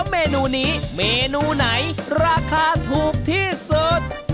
เมนูนี้เมนูไหนราคาถูกที่สุด